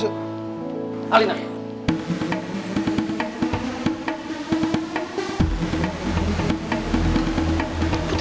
yuk mari kita masuk